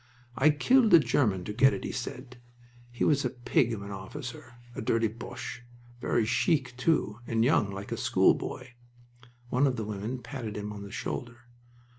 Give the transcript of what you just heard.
"I killed a German to get it," he said. "He was a pig of an officer, a dirty Boche. Very chic, too, and young like a schoolboy." One of the women patted him on the shoulder.